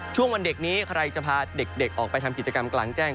ช่วงวันเด็กนี้ใครจะพาเด็กออกไปทำกิจกรรมกลางแจ้ง